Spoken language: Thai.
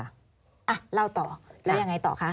อ่ะเล่าต่อแล้วยังไงต่อคะ